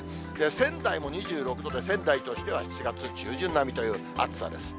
仙台も２６度で、仙台としては７月中旬並みという暑さです。